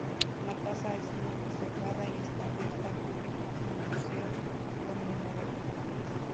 La casa ha sido preservada, y está abierta al público como museo conmemorativo.